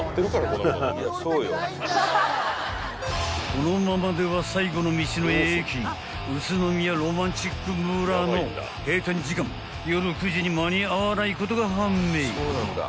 ［このままでは最後の道の駅うつのみやろまんちっく村の閉店時間夜９時に間に合わないことが判明］